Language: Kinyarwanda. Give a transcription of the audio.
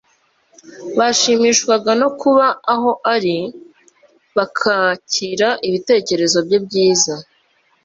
bashimishwaga no kuba aho ari, bakakira ibitekerezo bye byiza ;